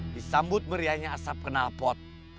disambut meriahnya asap kenal pot